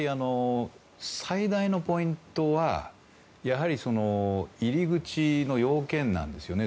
最大のポイントはやはりその入り口の要件なんですよね。